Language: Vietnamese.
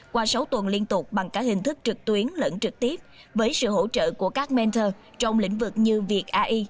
qua sáu tuần liên tục bằng cả hình thức trực tuyến lẫn trực tiếp với sự hỗ trợ của các mentor trong lĩnh vực như viet ai